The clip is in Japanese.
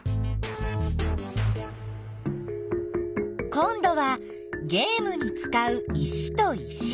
こんどはゲームにつかう石と石。